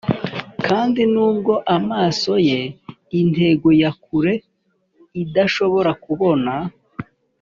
kandi nubwo amaso ye intego ya kure idashobora kubona,